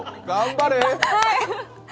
頑張れ。